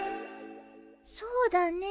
そうだね。